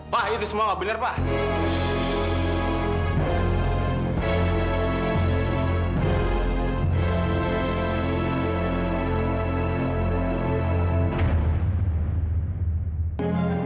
pak itu semua benar pak